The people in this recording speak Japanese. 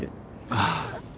ああ。